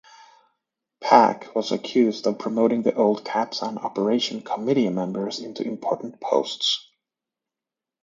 Pak was accused of promoting the old Kapsan Operation Committee members into important posts.